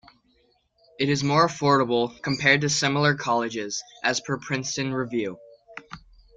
It is more affordable, compared to similar colleges, as per Princeton Review.